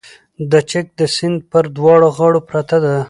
د چک د سیند پر دواړو غاړو پرته ده